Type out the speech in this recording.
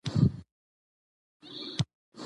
ماشوم د ښوونکي لارښوونې په دقت عملي کړې